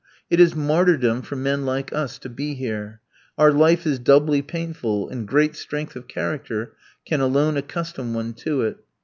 It is martyrdom for men like us to be here. Our life is doubly painful, and great strength of character can alone accustom one to it.